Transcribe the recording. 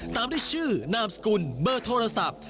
ตามด้วยชื่อนามสกุลเบอร์โทรศัพท์